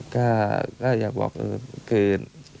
ก็อยากบอกก็คือ